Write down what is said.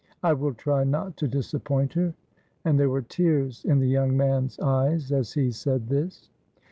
I will try not to disappoint her," and there were tears in the young man's eyes as he said this.